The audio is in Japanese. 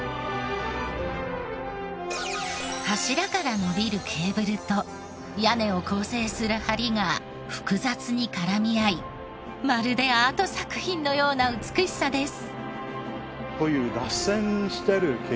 柱から延びるケーブルと屋根を構成する梁が複雑に絡み合いまるでアート作品のような美しさです。